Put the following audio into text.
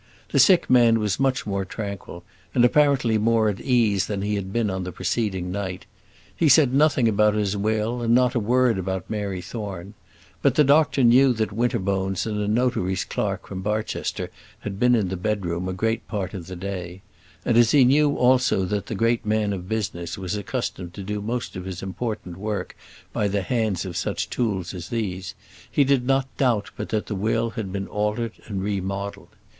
The sick man was much more tranquil, and apparently more at ease than he had been on the preceding night. He said nothing about his will, and not a word about Mary Thorne; but the doctor knew that Winterbones and a notary's clerk from Barchester had been in the bedroom a great part of the day; and, as he knew also that the great man of business was accustomed to do his most important work by the hands of such tools as these, he did not doubt but that the will had been altered and remodelled.